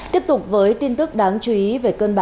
tiếp tục với tin tức đáng chú ý về cơ quan công an